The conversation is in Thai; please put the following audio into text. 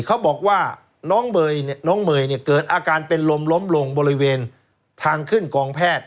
เขาบอกว่าน้องเมย์เนี่ยเกิดอาการเป็นลมล้มลงบริเวณทางขึ้นกองแพทย์